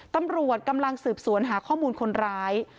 ตำรวจกำลังสืบสวนหาข้อมูลคนร้าย